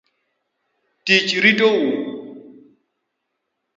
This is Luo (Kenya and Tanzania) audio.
Tich ritou.